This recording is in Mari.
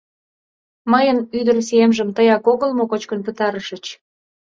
— Мыйын ӱдырсиемжым тыяк огыл мо кочкын пытарышыч?